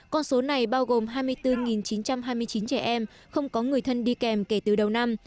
con số này bao gồm hai mươi bốn chín trăm hai mươi chín trẻ em không có người thân đi kèm kể từ đầu năm